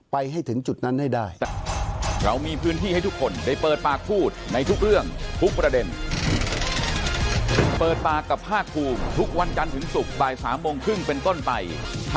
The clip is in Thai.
ให้ถึงจุดนั้นให้ได้